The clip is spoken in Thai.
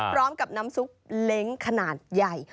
พร้อมกับน้ำซุปเล้งขนาดใหญ่